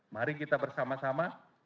mari kita bersama sama